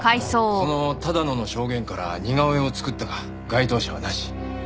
その多田野の証言から似顔絵を作ったが該当者はなし。